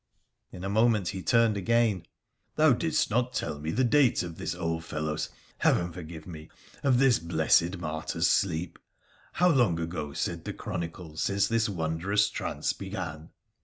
In a moment he turned again, ' Thou didst not tell me the date of this old fellow's — Heaven forgive me !— of this blessed martyr's sleep. How long ago said the chronicles since this wondrous trance began